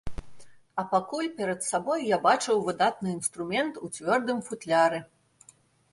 А пакуль перад сабой я бачыў выдатны інструмент у цвёрдым футляры.